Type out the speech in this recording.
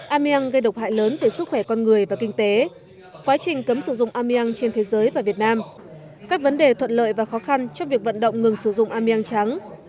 ameang gây độc hại lớn về sức khỏe con người và kinh tế quá trình cấm sử dụng amian trên thế giới và việt nam các vấn đề thuận lợi và khó khăn trong việc vận động ngừng sử dụng aming trắng